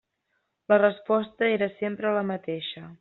La resposta era sempre la mateixa.